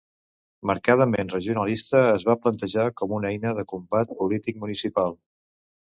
Marcadament regionalista es va plantejar com una eina de combat polític municipal.